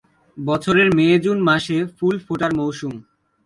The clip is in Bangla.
বছরের মে-জুন মাসে ফুল ফোটার মৌসুম।